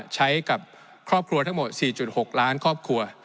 ใช้กับครอบครัวทั้งหมด๔๖ล้านครอบครัว